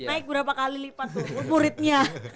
naik berapa kali lipat muridnya